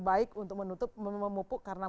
baik untuk menutup memupuk karena